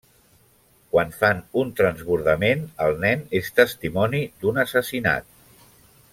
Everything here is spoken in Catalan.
Quan fan un transbordament, el nen és testimoni d'un assassinat.